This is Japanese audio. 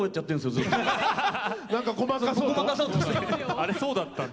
あれそうだったんだ。